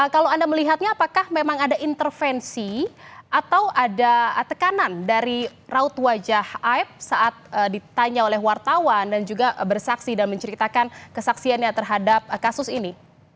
kalau anda melihatnya apakah memang ada intervensi atau ada tekanan dari raut wajah aib saat ditanya oleh wartawan dan juga bersaksi dan menceritakan kesaksiannya terhadap kasus ini